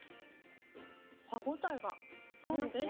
歯応えがありますね